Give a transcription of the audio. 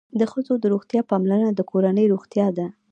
د ښځو د روغتیا پاملرنه د کورنۍ روغتیا ده.